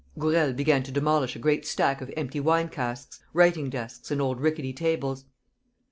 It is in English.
Gourel began to demolish a great stack of empty wine casks, writing desks and old rickety tables.